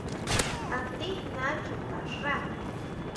¿A tijná chuta xá?